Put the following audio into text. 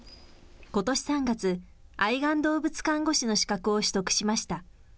ことし３月、愛玩動物看護師の資格を取得しました。